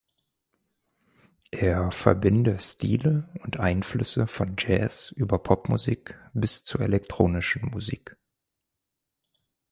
Er verbinde Stile und Einflüsse von Jazz über Popmusik bis zur elektronischen Musik.